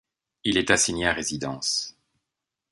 Il est assigné à résidence.